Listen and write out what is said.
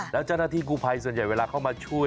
แล้วเจ้าหน้าที่กูภัยส่วนใหญ่เวลาเข้ามาช่วย